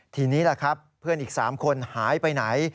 ทีนี้เพื่อนอีก๓คนหายไปไหน